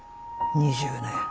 ２０年。